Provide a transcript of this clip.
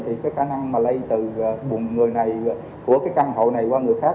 thì cái khả năng mà lây từ buồn người này của cái căn hộ này qua người khác